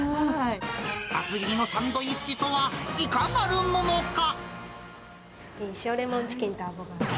厚切りのサンドイッチとは、いかなるものか。